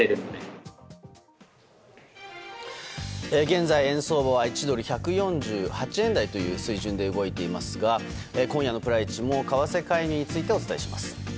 現在、円相場は１ドル＝１４８円台という水準で動いていますが今夜のプライチも為替介入についてお伝えします。